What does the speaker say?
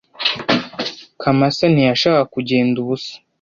Kamasa ntiyashakaga kugenda ubusa.